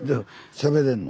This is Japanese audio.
しゃべれんの？